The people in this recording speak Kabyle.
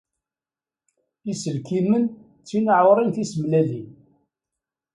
Iselkimen d tinaɛurin tisemlalin.